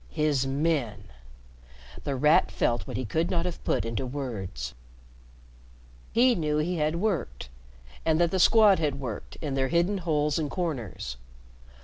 "His men!" The Rat felt what he could not have put into words. He knew he had worked, and that the Squad had worked, in their hidden holes and corners.